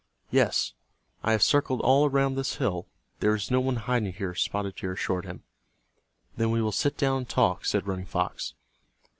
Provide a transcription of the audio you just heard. "Yes, I have circled all around this hill; there is no one hiding here," Spotted Deer assured him. "Then we will sit down and talk," said Running Fox.